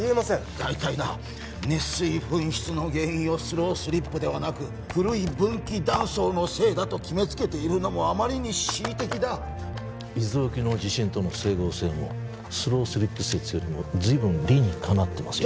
大体な熱水噴出の原因をスロースリップではなく古い分岐断層のせいだと決めつけているのもあまりに恣意的だ伊豆沖の地震との整合性もスロースリップ説よりも随分理にかなってますよ